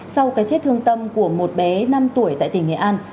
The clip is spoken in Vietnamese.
sau cái chết thương tâm của một bé năm tuổi tại tỉnh nghệ an